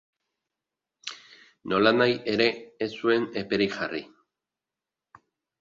Nolanahi ere, ez zuen eperik jarri.